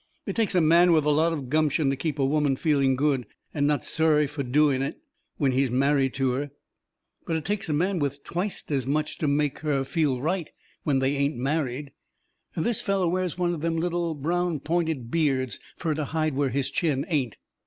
It takes a man with a lot of gumption to keep a woman feeling good and not sorry fur doing it when he's married to her. But it takes a man with twicet as much to make her feel right when they ain't married. This feller wears one of them little, brown, pointed beards fur to hide where his chin ain't.